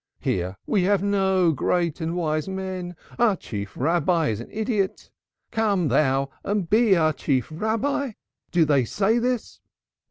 Here we have no great and wise men. Our Chief Rabbi is an idiot. Come thou and be our Chief Rabbi?' Do they say this?